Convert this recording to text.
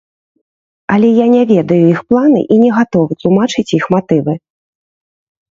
Але я не ведаю іх планы і не гатовы тлумачыць іх матывы.